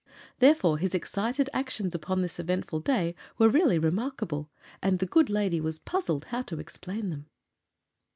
Therefore his excited actions upon this eventful day were really remarkable, and the good lady was puzzled how to explain them.